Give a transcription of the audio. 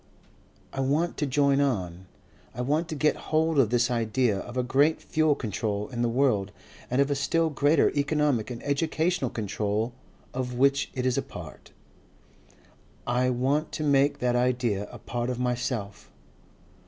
I want to join on. I want to got hold of this idea of a great fuel control in the world and of a still greater economic and educational control of which it is a part. I want to make that idea a part of myself.